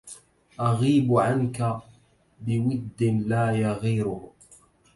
أغيب عنك بود لا يغيره